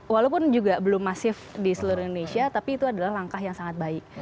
walaupun juga belum masif di seluruh indonesia tapi itu adalah langkah yang sangat baik